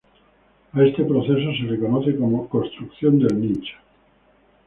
A este proceso se le conoce como 'construcción del nicho'.